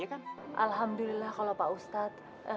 alhamdulillah kalau pak ustadz